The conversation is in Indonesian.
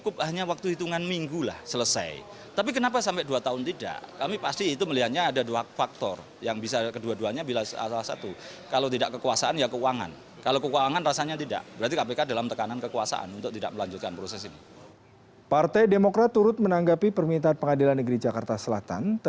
keputusan tersebut menjadi wonang hakim yang menyidangkan perkara dengan berbagai pertimbangan hukum